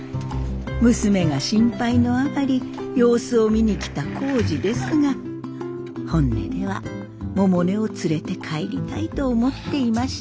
娘が心配のあまり様子を見に来た耕治ですが本音では百音を連れて帰りたいと思っていました。